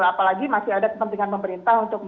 apalagi masih ada kepentingan pemerintah untuk